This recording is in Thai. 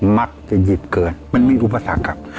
มักจะหยิบเกิดมันมีอุปสรรคครับ